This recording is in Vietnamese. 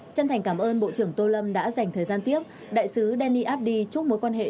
chân thành cảm ơn bộ trưởng tô lâm đã dành thời gian tiếp đại sứ deni abddi chúc mối quan hệ